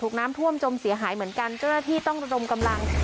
น้ำท่วมจมเสียหายเหมือนกันเจ้าหน้าที่ต้องระดมกำลัง